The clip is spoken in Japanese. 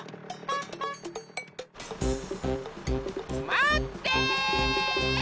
まって！